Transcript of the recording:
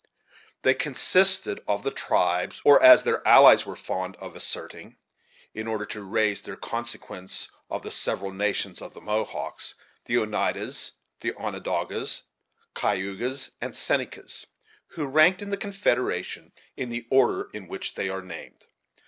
They consisted of the tribes or, as their allies were fond of asserting, in order to raise their consequence, of the several nations of the Mohawks, the Oneidas, the Onondagas, Cayugas, and Senecas; who ranked, in the confederation in the order in which they are named.